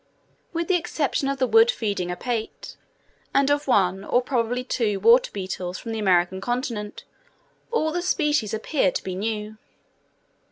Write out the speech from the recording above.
With the exception of a wood feeding Apate, and of one or probably two water beetles from the American continent, all the species appear to be new.